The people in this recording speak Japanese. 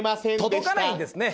届かないんですね